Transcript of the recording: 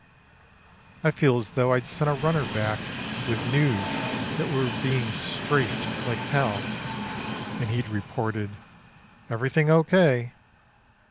I feel as though I'd sent a runner back With news that we were being strafed like Hell ... And he'd reported: "Everything O. K."